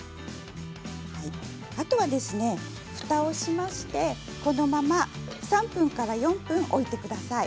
あとは、ふたをしましてこのまま３分から４分置いてください。